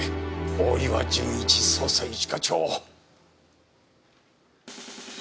大岩純一捜査一課長！